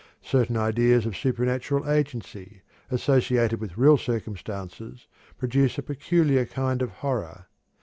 Certain ideas of supernatural agency, associated with real circumstances, produce a peculiar kind of horror.